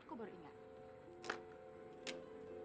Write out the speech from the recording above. aku baru ingat